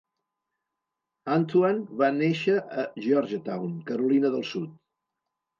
Anthuan va néixer a Georgetown, Carolina del Sud.